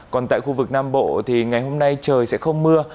còn tại khu vực nam bộ thì ngày hôm nay trời sẽ không mưa